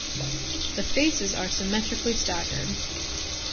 The faces are symmetrically staggered.